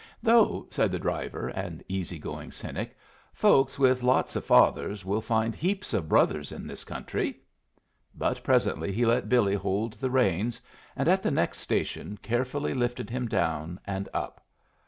"Though," said the driver, an easygoing cynic, "folks with lots of fathers will find heaps of brothers in this country!" But presently he let Billy hold the reins, and at the next station carefully lifted him down and up.